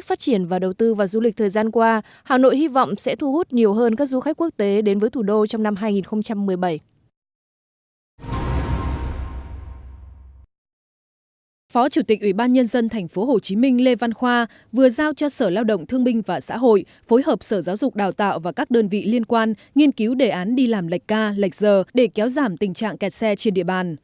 phó chủ tịch ủy ban nhân dân tp hcm lê văn khoa vừa giao cho sở lao động thương minh và xã hội phối hợp sở giáo dục đào tạo và các đơn vị liên quan nghiên cứu đề án đi làm lệch ca lệch giờ để kéo giảm tình trạng kẹt xe trên địa bàn